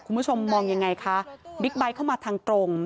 คุณผู้ชมมองยังไงคะบิ๊กไบท์เข้ามาทางตรง